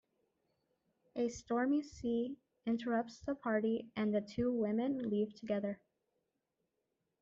A stormy sea interrupts the party and the two women leave together.